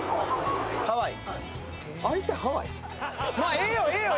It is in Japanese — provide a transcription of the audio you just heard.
ええよ、ええよ